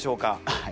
はい。